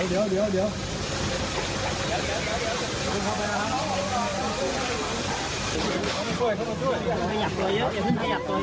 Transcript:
เดี๋ยวเขามาเชื่อมัน